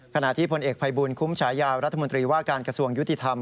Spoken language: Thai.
ขณะที่พลเอกภัยบูลคุ้มฉายารัฐมนตรีว่าการกระทรวงยุติธรรม